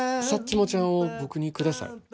サッチモちゃんを僕にください。